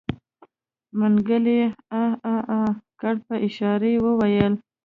منګلي عاعاعا کړ په اشاره يې وويل.